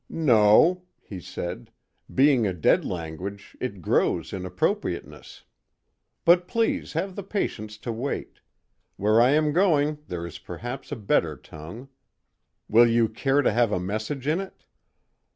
"No," he said, "being a dead language, it grows in appropriateness. But please have the patience to wait: where I am going there is perhaps a better tongue. Will you care to have a message in it?"